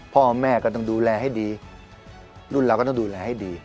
พ่อแม่ก็ต้องดูแลให้ดีรุ่นเราก็ต้องดูแลให้ดี